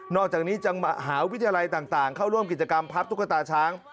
อกจากนี้จังมหาวิทยาลัยต่างเข้าร่วมกิจกรรมพับตุ๊กตาช้าง